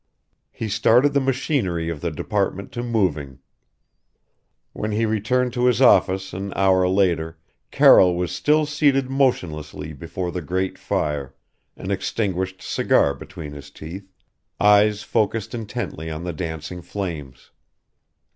He started the machinery of the department to moving. When he returned to his office an hour later, Carroll was still seated motionlessly before the grate fire an extinguished cigar between his teeth eyes focused intently on the dancing flames.